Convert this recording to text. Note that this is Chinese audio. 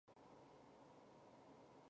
但香川真司仍留在大阪樱花。